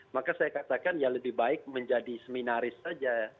maka saya katakan ya lebih baik menjadi seminaris saja